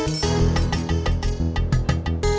gak usah bayar